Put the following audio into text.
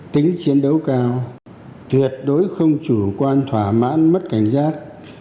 tính chiến đấu cao tuyệt đối không chủ quan thỏa mãn mất cảnh giác